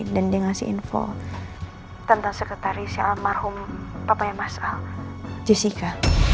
dan dia ngasih info tentang sekretaris si almarhum papa yamassal jessica